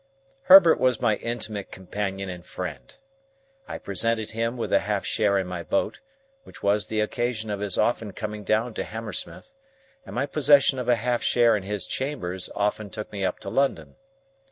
Herbert was my intimate companion and friend. I presented him with a half share in my boat, which was the occasion of his often coming down to Hammersmith; and my possession of a half share in his chambers often took me up to London.